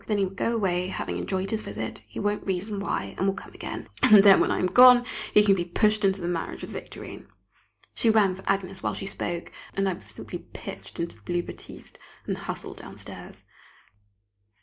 Then he would go away having enjoyed his visit, he won't reason why, and will come again; and then when I am gone, he can be pushed into the marriage with Victorine! She rang for Agnès while she spoke, and I was simply pitched into the blue batiste, and hustled downstairs.